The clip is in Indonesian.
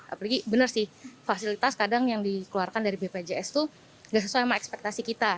apalagi benar sih fasilitas kadang yang dikeluarkan dari bpjs tuh gak sesuai sama ekspektasi kita